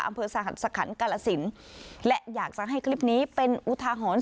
อำเภอสหัสสะขันกาลสินและอยากจะให้คลิปนี้เป็นอุทาหรณ์